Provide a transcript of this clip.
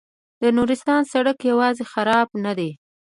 د نورستان سړک یوازې خراب نه دی.